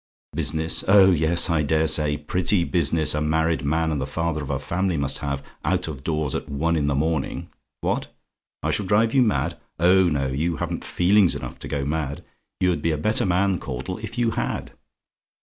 "BUSINESS? "Oh, yes I dare say! Pretty business a married man and the father of a family must have out of doors at one in the morning. What? "I SHALL DRIVE YOU MAD? "Oh, no; you haven't feelings enough to go mad you'd be a better man, Caudle, if you had.